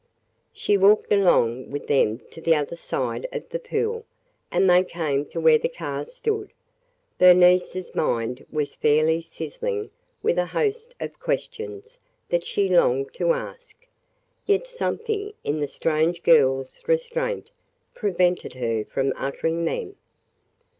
She walked along with them to the other side of the pool and they came to where the car stood. Bernice's mind was fairly sizzling with a host of questions that she longed to ask, yet something in the strange girl's restraint prevented her from uttering them.